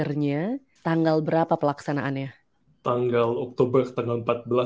sekarang kita akan berbicara tentang referendum ini